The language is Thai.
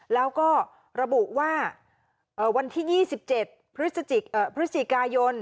แล้วก็ระบุว่าวันที่๒๗พฤศจิกายน